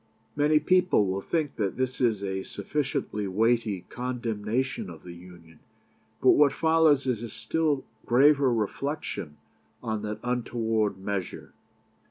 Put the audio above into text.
" Many people will think that this is a sufficiently weighty condemnation of the Union, but what follows is a still graver reflection on that untoward measure.